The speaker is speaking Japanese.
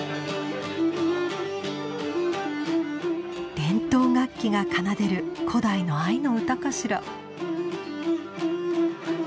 伝統楽器が奏でる古代の愛の歌かしら。